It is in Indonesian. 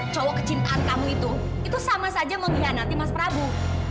cowok kecintaan kamu itu itu sama saja mengkhianati mas prabu